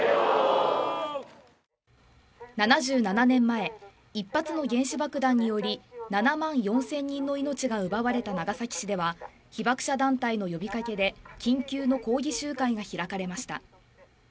７７年前、一発の原子爆弾により、７万４０００人の命が奪われた長崎市では被爆者団体の呼びかけで緊急の抗議集会が開かれました。